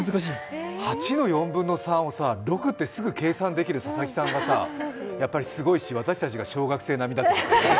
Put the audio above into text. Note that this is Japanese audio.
８の４分の３をさ、６ってすぐ計算できる佐々木さんが、やっぱりすごいし私たちが小学生並みだってことだね。